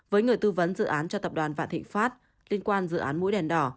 với người tư vấn dự án cho tập đoàn vạn thịnh pháp liên quan dự án mũi đèn đỏ